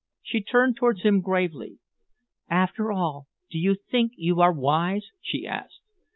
She turned towards him gravely. "After all, do you think you are wise?" she asked.